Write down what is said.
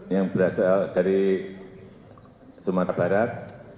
yang berasal dari sumatera barat